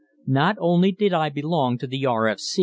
Not only did I belong to the R.